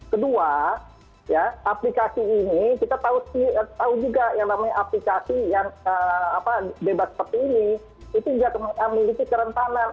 kedua aplikasi ini kita tahu juga yang namanya aplikasi yang bebas seperti ini itu juga memiliki kerentanan